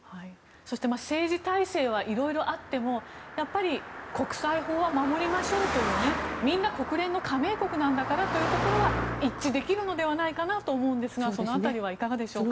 そして政治体制は色々あってもやっぱり国際法は守りましょうというみんな国連の加盟国なんだからというところは一致できるのではないかなと思うんですがその辺りはいかがでしょうか。